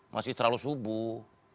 masih terlalu subuh